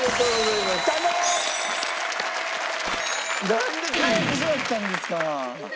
なんで変えてしまったんですか？